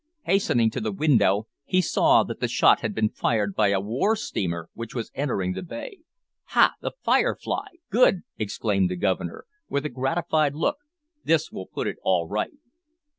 Hastening to the window, he saw that the shot had been fired by a war steamer which was entering the bay. "Ha! the `Firefly;' good!" exclaimed the Governor, with a gratified look; "this will put it all right."